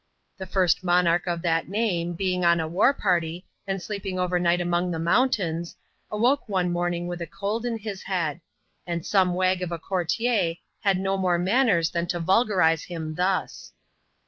The first monarch of that name, being on a war party, and sleeping overnight among the mountains, awoke one morn ing with a cold in his head ; and some wag of a courtier had no more manners than to vulgarise him thus.